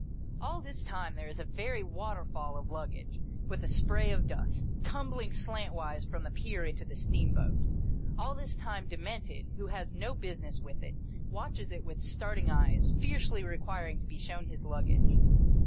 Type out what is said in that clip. All this time, there is a very water fall of luggage, with a spray of dust, tumbling slantwise from the pier into the steamboat. All this time, Demented (who has no business with it) watches it with starting eyes, fiercely requiring to be shown his luggage.